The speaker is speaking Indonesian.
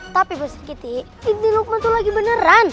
tapi bu sakiti ini lukman tuh lagi beneran